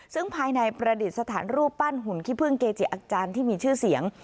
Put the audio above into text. ซึ่งภายในประดิษฐานรูปปั้นหุ่นขี้พึ่งเกจิอาจารย์ที่มีชื่อเสียง